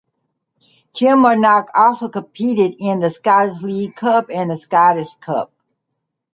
Kilmarnock also competed in the Scottish League Cup and the Scottish Cup.